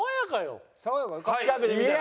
近くで見たら？